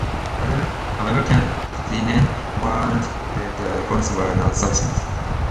However, Katainen warned that the reforms were not sufficient.